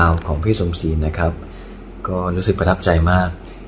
แล้ววันนี้ผมมีสิ่งหนึ่งนะครับเป็นตัวแทนกำลังใจจากผมเล็กน้อยครับ